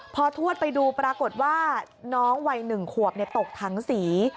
พอทวดไปดูปรากฏว่าน้องวัย๑ขวบตกถังสี